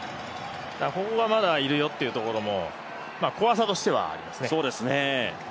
ここがまだいるよっていうのも怖さとしてはありますね。